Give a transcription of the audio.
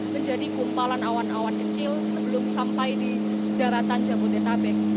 menjadi kumpalan awan awan kecil sebelum sampai di daratan jabodetabek